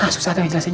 susah deh jelasin